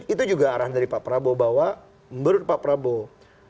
itu juga arahan dari pak prabowo bahwa menurut pak prabowo